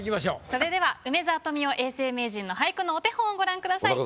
それでは梅沢富美男永世名人の俳句のお手本をご覧ください。